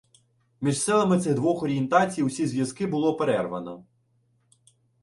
Між селами цих двох орієнтацій усякі зв'язки було перервано.